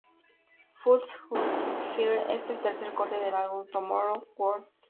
Fill Us with Fire es el tercer corte del álbum Tomorrow's World.